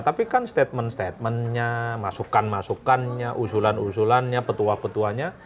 tapi kan statement statementnya masukan masukannya usulan usulannya petua petuanya